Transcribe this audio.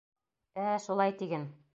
Ә-ә, шулай тиген.